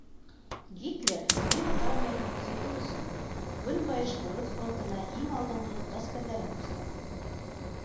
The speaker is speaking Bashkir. Гитлер немец армияһын көсәйтеү өсөн Көнбайыш урыҫ фронтына иң алдынғы ғәскәрҙәрен күсерә.